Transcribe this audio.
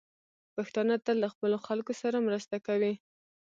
پښتانه تل د خپلو خلکو سره مرسته کوي.